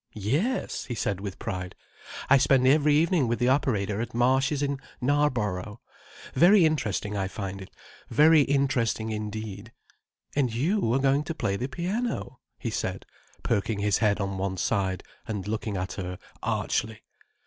"Yes," he said with pride, "I spend every evening with the operator at Marsh's in Knarborough. Very interesting I find it—very interesting indeed. And you are going to play the piano?" he said, perking his head on one side and looking at her archly.